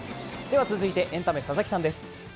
続いてエンタメ、佐々木さんです。